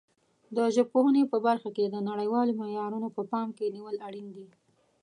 د ژبپوهنې په برخه کې د نړیوالو معیارونو په پام کې نیول اړین دي.